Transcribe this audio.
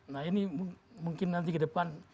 nah ini mungkin nanti ke depan